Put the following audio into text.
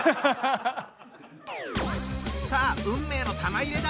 さあ運命の玉入れだ！